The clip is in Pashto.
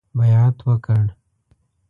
بیعت وکړ.